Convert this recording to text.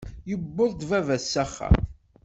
Yewweḍ-d Baba s axxam.